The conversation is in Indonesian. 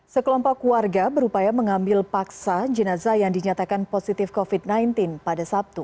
sekelompok warga berupaya mengambil paksa jenazah yang dinyatakan positif covid sembilan belas pada sabtu